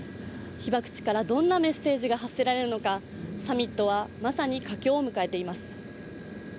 被爆地からどんなメッセージが発せられるのか、サミットは、まさに佳境を迎えています。